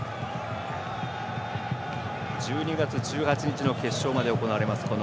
１２月１８日の決勝まで行われます